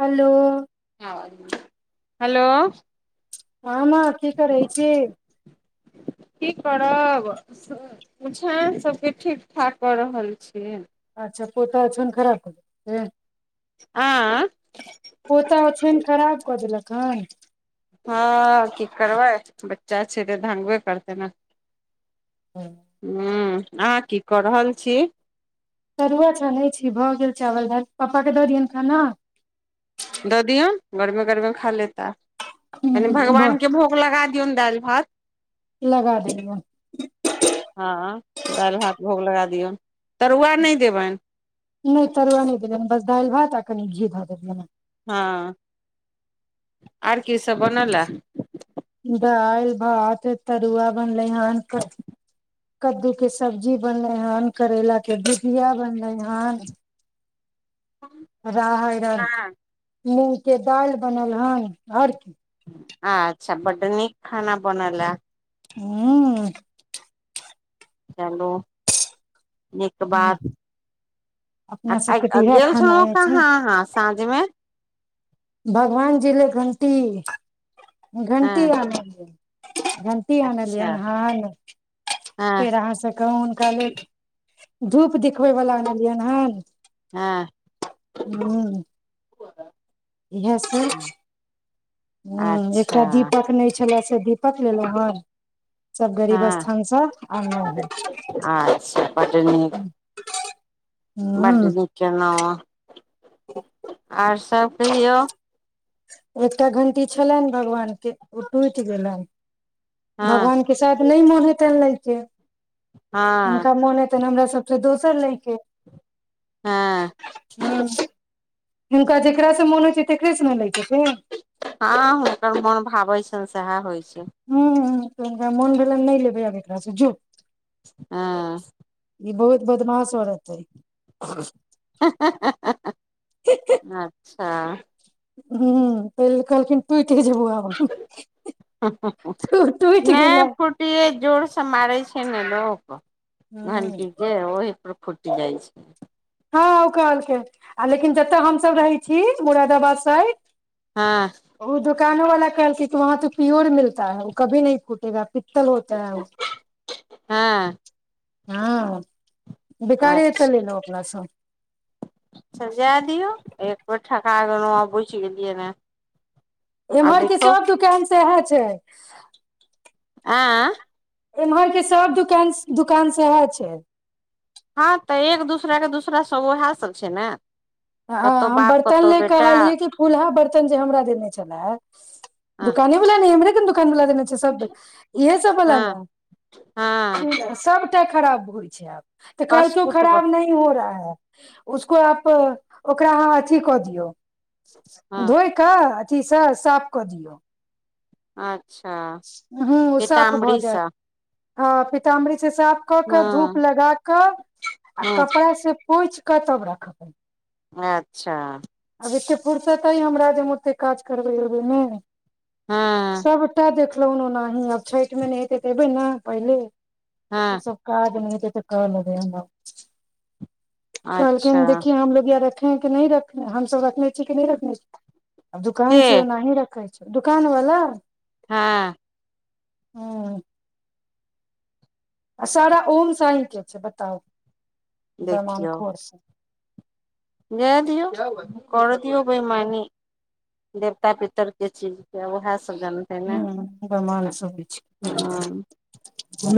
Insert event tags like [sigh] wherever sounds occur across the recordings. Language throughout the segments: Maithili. हेलो [unintelligible] हेलो हँ माँ की करै छी की करब स ओछैन सबके ठीक ठाक करऽ रहल छि अच्छा पोता छन खराप [unintelligible] ते आँ पोता ओछाईन खराप कऽ देलक हन हँ की करबै बच्चा छै ते धंगबे करतै ने हँ उँ अहाँ की कऽ रहल छी तरुआ छानै छी भऽ गेल चावल भात पपाके दऽ दियनि खाना दऽ दियऔन गरमे गरमे खा लेता कनि भगवान के भोग लगा दिऔन दाल भात लगा देबन हँ दालि भात भोग लगा दियौन तरुआ नै देबनि नै तरुआ नै देबैन बस दालि भात आ कनि घी धऽ देलियै हँ हँ आर की सब बनला दाइल भात तरुआ बनलै हन कद्दू के सब्जी बनलैे हन करैला के भुजिया बनलै हन [inaudible] राहैर हँ, मूग के दालि बनल हन आओर की आच्छा बड नीक खाना बनलए उँ चलू नीक बात आ अपना सबके आइक तऽ इएह गेल खाना छलौं हें अछि ने कहाँ साँझ मे भगवान जी ले घंटी घंटी हँ आनलिय घंटी अच्छा आनलियै हन हँ फेर अहाँसब कहू हुनका लेल धूप दिखबैला एनलियनि हन हँ हूँ इहए स हँ अच्छा एकटा दीपक नै छलए से दीपक लेलौं हन सब गरीब हँ स्थानसँ आनलौ अच्छा बड्ड नीक हन बड्ड ह नीक केेलौआ आर सब कहियौ एकटा घंटी छलनि भगवान के ओ टूटि गेलनि हँ भगवान के साथ नै मोन हेतैन लैके हँ हूनका मोन हेतैन हमरा स फेर दोसर लेलकै हँ हुँ हिनका जेकरा सँ मोन होइ छै तेकरे सँ नऽ लै कऽ छै हँ हुनकर मोन भावै छैन सेहा होइ छै हऽ हुनका मोन भेलैन नय लेबै आब एकरा सँ जो हँ ई बहुत बदमाश औरत अइ हे हे हे हे हे अच्छऽ हुँ तैय लऽ कहलखिन टुइटे जेबौ आब हम हुँ हुँ हुँ टूटि नय गेलै फट टिये जोर सँ मारे छै नऽ लोक हूँ घंटी केँ ओहि पर फुइट जाइ छै हँ ओ कहलखिन आ लेकिन जेतऽ हमसभ रहै छी मुरादाबाद साइड हँ ओ दुकानो वाला कहलखिन कि वहाँ तो पियोर मिलता है ओ कभी फुटेगा पितल होता है ओ हँ हँ बिकारे अतऽ अच्छा लेलो अपना सब अच्छऽ जै दियौ एक बेेर ठका गेलहुँ आ बुइझ गेलियै नऽ एम्हर केँ सब दुकान सेहा छै आय एम्हर केँ सब दुकान - दुकान सेहा छै हँ तऽ एक दूसरा केँ दूसरा सब ओहै सब छै नऽ हम बर्तन ले कहलियै कि फुल्हा बर्तन जे हमरा देने छलै हँ दुकान वाला नऽ इमरे केँ नऽ दुकान वाला देने इ जे सब इहे सब बला हँ हँ नऽ सबटा खराब होइ छै आब तऽ कस कहलकै ओ कुटब खराब नहि हो रहा है उसको आप ओकरा अहाँ अथी कऽ दियौ हँ धोइ कऽ अथी सँ साफ कऽ दियौ अच्छऽ हुँ हुँ ओ साफ भऽ जैत हँ पीतामरी से साफ कऽ कऽ धूप हँ लगा कऽ आ हँ कपड़ा से पोइछ कऽ तब रखबै अच्छऽ आब एते फुरसत अइ हमरा जे हम ओते काज करबै एगो मे हँ सभटा देखलहुँ हन ओनाही आब छैठ मे नय हेतै तऽ एबै नऽ पहिले हँ ई सब काज नय हेतै तऽ कऽ लेबै हम आब कहलखिन अच्छा देखियए हमलोग यहा रखे है कि नय रखे हमसब रखने छीयै कि नय रखने छी आ के दुकान छै ओनाही रखै छैय दुकान वला हँ हुँ आ सारा ओम साई केँ छै बताउ बईमानखोर सब जैय दिऔ करऽ दिऔ बईमानी देवता पितर केँ चीज केँ आब ओहै सब जन हुँ बइमान सब होइ छै हुँ ह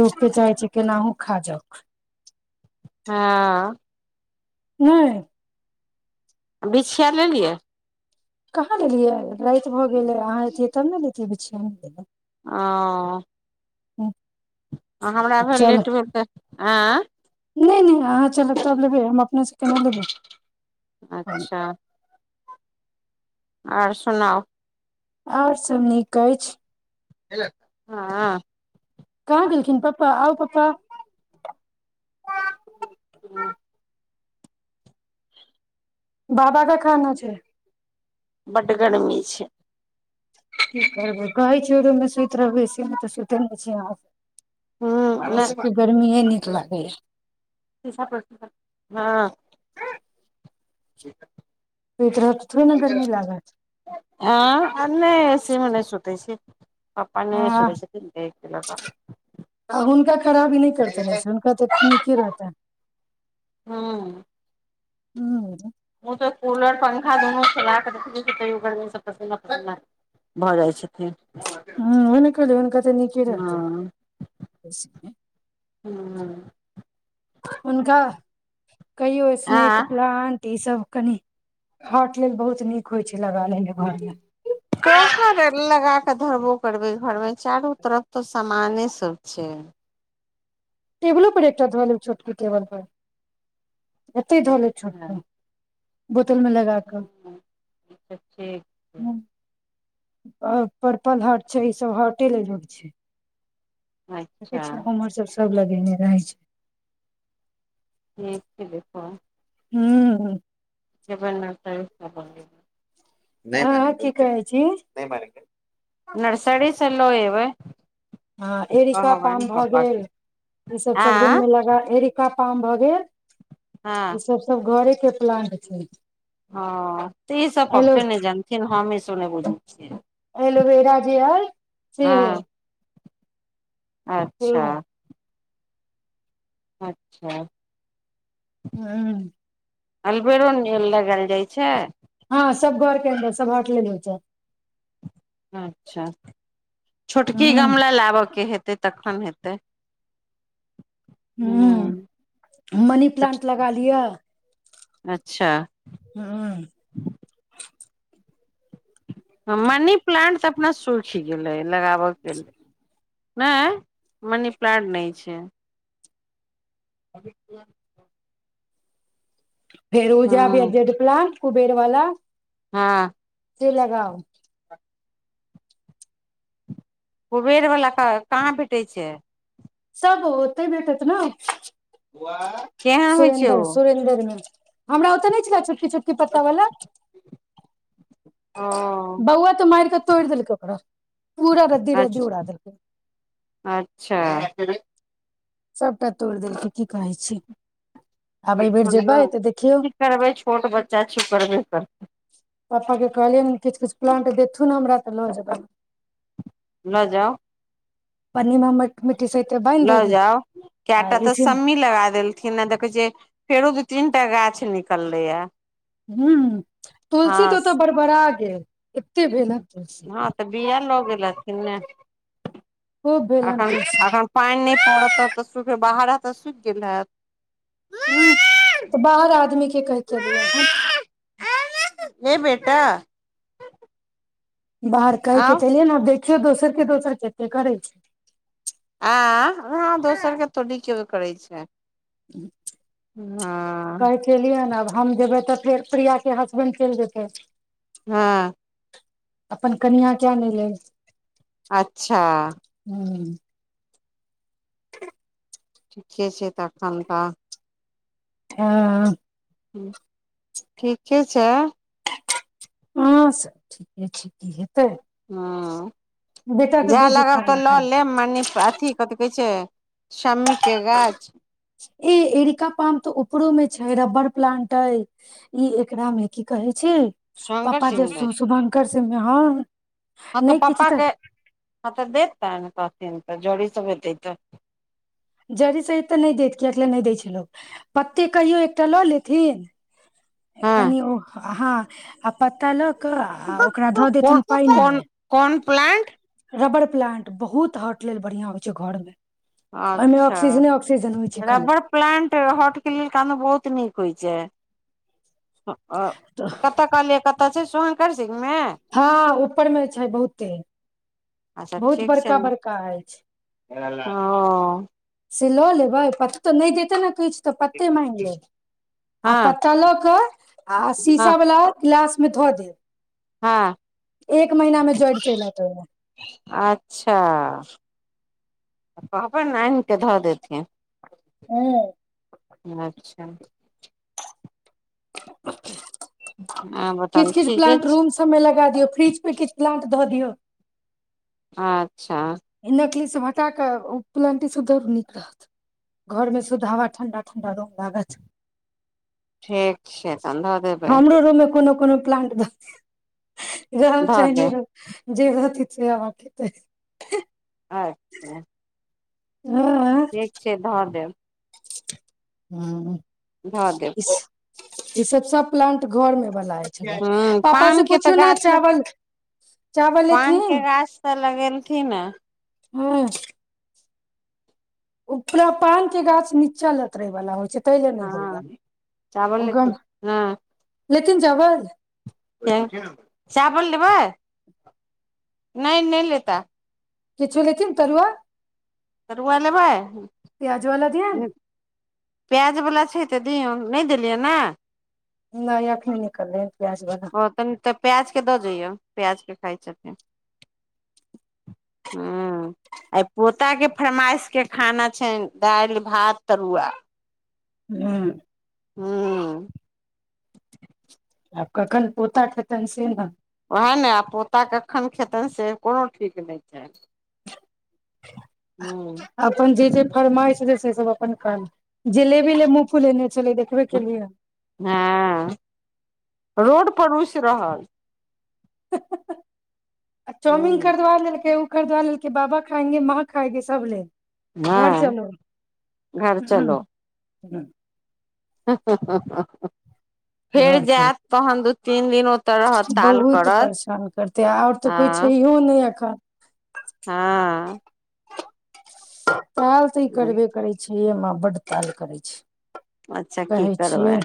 लोक केँ चाहैय छै केनाहू खा जाऊ हँ नय बिछिया लेलियै कहाँ लेलियै राति भऽ गेलै अहाँ अतियै तब ने लैतियै बिछिया ओ ह्म आ हमरा भेल लेट भेल तऽ एं नय नय अहाँ चलब तब लेबै हम अपनेसँ केना लेबै अच्छा आओर सुनाउ आओर सब नीक अछि हँ काँहां गेलखिन पप्पा आउ पप्पा ह ह बाबा के काम होय छै बड्ड गर्मी छै की करबै कहै छियै ओई रूम मे सुति रहबै से नै तऽ सुते नय छियै आंहासब आहां हँ सबके गर्मीेये नीक लागैया हँ सुइत रहत तऽ थोेरे न गर्मी लागत एं आभ नय सेहो नय सुतै छै पप्पा नय हँ सुतै छेथिन देह के लऽ कऽ आ हुनका खराबी नय करतनि ऐसऽ हुनका तऽ नीके रहतनि हँ हूँ ओते कूलर पंखा दुनू चला कऽ रखै छियै तईयो गरमी सब पसीना पसना भऽ जाइ छै हूं ओहे नऽ कहलीयै हुनका तऽ नीके रहतै हूं हुनका कहियो स्नेक आँ प्लानट ई सब कनि हार्ट लेल बहुत नीक होइ छै लगा लेने घर मे काहा लगा के धोबो करबै घर मे चारू तरफ तो सामाने सब छै टेबुलो पर एकटा धऽ लेब छोटकी टेबल पर एतै धऽ लेब छोट अच्छा पर बोतल मे लगा कऽ ठीक छै हूं पर्पल हर्ट छै ई सब हर्टे ल लग छै देखै अच्छा छियै उमहर सब सब लगेने रहै छै ठीक छै फन [unintelligible] हू जेब नै [unintelligible] हँ ह की कहय छी नर्सरी से नय ह एरिका पाम भऽ गेल के ई सब आ सब रूम मे लगा एरी का पाम भए गेल हँ ई सब सब घरे के प्लांट छै हँ तऽ ईसभ एलो पप्पे ने जानथिन हम ई सब नय बुझै छियै र सेहो छैहे हँ अच्छा अच्छा हूं अलबेरो नै नील लगएल जाइ छै हँ सब घर के अन्दर सब हटलै नीचा अच्छा ह छोटकी गमला लाबय के हेतै तखन हेतै हूँ हु मनी छोट प्लांट लगा लिअ अच्छा हूँ हँ मनी प्लांट तऽ अपना सूखि गेलै लगाबऽके लेल मैं मनी प्लानट नै छै अभ [unintelligible] फेर उजा अबैया जेडप्लानट कुबेर वाला हँ ते लगाउ कुबेर बला पाय कहाँ भेटै छै सब ओते भेटत न केहन होइ छै ओ सुरेन्द्र सुरेन्द्र मे हमरा ओतऽ नै छला छोटकी छोटकी पत्ता वाला ओ बौआ तऽ मारिकऽ तोड़ि देलकै ओकरा पूरा रद्दी रद्दी अच्छा उड़ा देलकै अच्छा सबटा तोड़ि देलकै की कहै छी की आब एहि बेेर जेबै तऽ देखियौ करबै छोट बच्चा छै करबे करतै पपा के कहलियै न किछ किछ प्लानट देथु न हमरा तऽ लऽ जेबैन ल जाउ पन्नी मे हमर मिटी स एकटा बा लऽ जाउ कएटा तऽ सम्मी लगा देल थीन न देखैय फेरो दू तीन टा गाछ निकललै या हूँ हँ तुलसी तऽ ओतऽ बड़बड़ा गेल एते भेल हन तुलसी हँ तऽ बिआन लऽ गेलरथिन ने हूब बेलन अखन ते अखन पानि नै पड़त तऽ सुखे बाहर आतऽ सुखि गेल हेएत हूँ तऽ बाहर आदमी के कहि क एलियै हेन ये बेेटा बाहर कैह के आउ त एलियै ने देखियै दोसर के दोसर कते करै छै आ आहाँ दोसर [unintelligible] करै छै हँ कहै छै केलियै न आब हम जेबै तऽ फेर प्रिया के हसबैंड चलि जेतै हँ अपन कनिआ के अनै लेल अच्छा हूँ ठीके छै तखन तऽ हँ हूँ ठीके छै हँ सब ठीके छै की हेतै हँ बेटा के जाए भेजू लगब तऽ खाना लऽ खाय लेब मनी अथी कथी कहै छै समी के गाछ ए एरिका पाम तो ऊपरो में छैय रब्बर प्लांट एय ई एकरा मे की कहे छैय शंकर पापा जे सिंह मे शुभंकर सिंह मे हऽ हँ नय किछ पप्पा तऽ के हँ तऽ देतेन कहथिन तऽ जड़ी सब है तेय त जड़ी सहित तऽ नय देत किएक नय दै छै लोको पत्ते कहियो एकटा लऽ लेथिन हँ कनि ओ ह हाँ आ पत्ता लऽ क आ ओकरा धदेथुन पाइन म कौन प्लंट रबर प्लांट बहुत हर्ट लेल बढ़ियां होइ छै घर में ओयमे अच्छा ऑकसिजने ऑकसिजन होइ छै खाली रबर प्लांट हर्ट के लैल बहुत नीक होइ छै अ तऽ कतऽ कहलियै कतऽ छै सुभंकर सिंग मे हँ ऊपर मे छै बहुते बहुत बड़का बड़का ऐछ हँ [unintelligible] से लऽ लेबै पता तो नय देते ने किछ तऽ पत्ते माग लेब आ हँ पत्ता लऽ के आ हँ शीशा वाला ग्लास मे हँ धदेब एक महिना मे जैड़ चइल आयत ओयमे अच्छा कहबैन ने आएन कऽ धदेथिन हूँ अच्छा आ किछ बताउ किछ ठीके प्लाानंट छै रूम सब मे लगा दियो फ्रिज पे किछ प्लाानंट दऽ दियौ अच्छा नकली सब हटा कऽ उ प्लांटे सुधरू निक रहत घरमे सुध हवा ठण्डा ठण्डा रूम लागत ठीक छै तहन धऽ देबै हमरो रूम मे कोनो कोनो प्लांट रहब धऽ चाहे नय देब रहब जे रहते से खैते [unintelligible] [unintelligible] से धर देब हूँ धऽ देब ईसब सब प्लांट घर मे बला छलै पापा से पान के तऽ पुछौ ने गाछ चावल चावल पान के एथिन गाछ तऽ लगेलखिन अ हू [inaudible] ओ पुरा पान के गाछ नीचा लतरे वाला होइ छै तेय लऽ नय हँ होइया चावल ओ ग लेथिन हँ लेकिन जगल चावल लेबै नय नय लेता किछो लेथिन तरुआ तरुआ लेबय प्याज वाला दिअ नय प्याज बला छै तऽ दियौ नय देलियै नै नय अखेन निकलय हन प्याज बला ओ तनी तऽ प्याज के दऽ जइयऔ प्याज के खाइ छथिन [inaudible] हुँ आइ पोताकेँ फरमाइश केँ खाना छैन दाइल भात तरुआ हुँ हुँ आब कखन पोता खेतैन से नऽ वैहा नऽ आब पोता कखन खेतन से कोनो ठीक नय छै [inaudible] हुँ अपन जे जे फरमाइश रहै से सब अपन कहल जिलेबी ले मुंह फुलेने छलै देखबे केलियै हँ रोड पर रुइस रहल [unintelligible] आ चाउमिन हूँ खरिदवा लेलकै उ खरिदबा लेलकै बाबा खाएगे माँ खाएगी सब लैल घर हँ चलो घर हुँ चलो हुँ [unintelligible] फेर घर चलो जैत तहन दु तीन दिन ओ बहुत परेशान करते आओर तऽ कोइ हँ छहिओ नय एखन हँ ताल तऽ ई करबे करै छै यै माँ बड्ड ताल करै छै अच्छा की कहै करबै छियै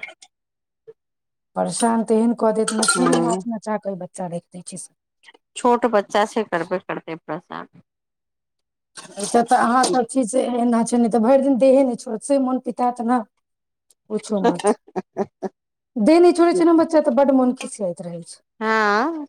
परेशान तऽ एहन कऽ देत नचनी नाच ह नचा कऽ ई बच्चा रैख दै छै छोट बच्चा छै करबे करते परेसान एतऽ तऽ अहाँसभ छी से एना छै नय तऽ भैर दिन देहे नय छोड़त से मोन पितैत नऽ पुछू मत देह नय छोड़ै छै नऽ बच्चा तऽ बड्ड मोन खसियाइत रहै छै हँ